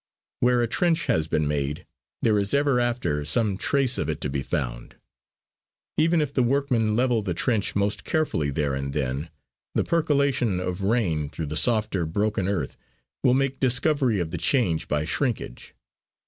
Where a trench has been made, there is ever after some trace of it to be found. Even if the workmen level the trench most carefully there and then, the percolation of rain through the softer broken earth will make discovery of the change by shrinkage.